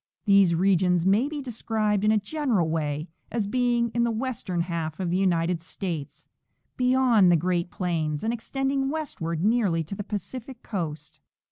These regions may be described in a general way as being in the western half of the United States, beyond the great plains, and extending westward nearly to the Pacific coast.